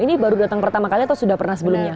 ini baru datang pertama kali atau sudah pernah sebelumnya